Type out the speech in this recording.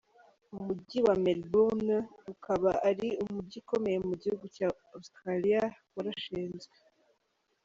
Umujyi wa Melbourne ukaba ari umujyi ukomeye mu gihugu cya Australia warashinzwe.